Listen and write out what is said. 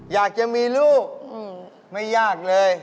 อยากจะมีลูกไม่ยากเลย